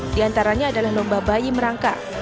di antaranya adalah lomba bayi merangkak